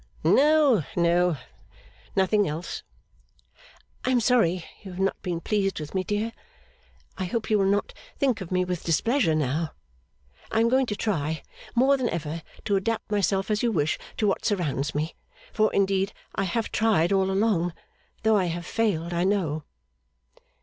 'No, no. Nothing else.' 'I am sorry you have not been pleased with me, dear. I hope you will not think of me with displeasure now. I am going to try, more than ever, to adapt myself as you wish to what surrounds me for indeed I have tried all along, though I have failed, I know.